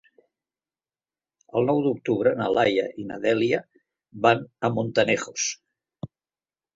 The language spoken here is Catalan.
El nou d'octubre na Laia i na Dèlia van a Montanejos.